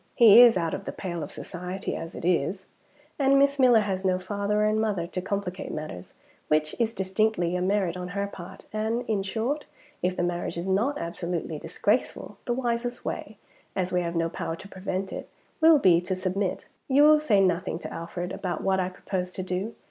He is out of the pale of Society, as it is; and Miss Miller has no father and mother to complicate matters, which is distinctly a merit on her part and, in short, if the marriage is not absolutely disgraceful, the wisest way (as we have no power to prevent it) will be to submit. You will say nothing to Alfred about what I propose to do.